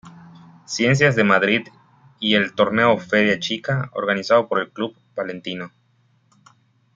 Ciencias de Madrid y el "Torneo Feria Chica" organizado por el Club Palentino.